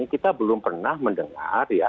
kita belum pernah mendengar